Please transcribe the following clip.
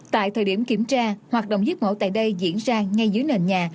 tại thời điểm kiểm tra hoạt động giết mổ tại đây diễn ra ngay dưới nền nhà